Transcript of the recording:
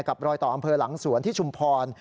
รอยต่ออำเภอหลังสวนที่ชุมพร